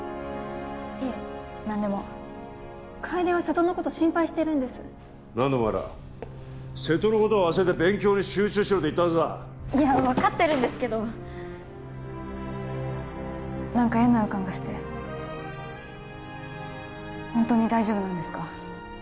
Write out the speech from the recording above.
いえ何でも楓は瀬戸のこと心配してるんです何だお前ら瀬戸のことは忘れて勉強に集中しろって言ったはずだいや分かってるんですけど何か嫌な予感がして本当に大丈夫なんですか？